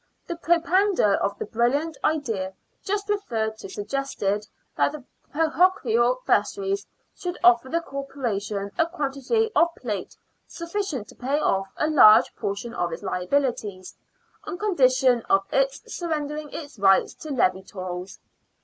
The pro pounder of the brilliant idea just referred to suggested that the parochial vestries should offer the Corporation a quantity of plate sufficient to pay off a large portion of its liabilities, on condition of its surrendering its rights to levy tolls.